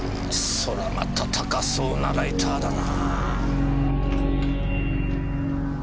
そりゃまた高そうなライターだな。